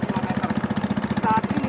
sebenarnya usaha menargetkan